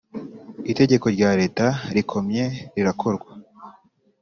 itegeko rya Leta rikomye rirakorwa